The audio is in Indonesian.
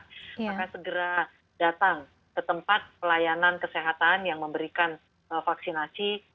maka segera datang ke tempat pelayanan kesehatan yang memberikan vaksinasi